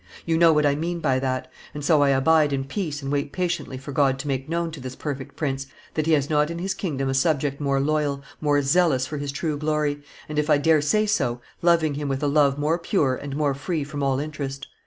You know what I mean by that; and so I abide in peace and wait patiently for God to make known to this perfect prince that he has not in his kingdom a subject more loyal, more zealous for his true glory, and, if I dare say so, loving him with a love more pure and more free from all interest.